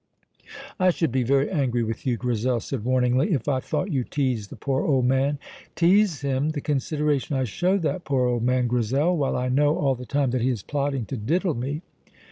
"I should be very angry with you," Grizel said warningly, "if I thought you teased the poor old man." "Tease him! The consideration I show that poor old man, Grizel, while I know all the time that he is plotting to diddle me!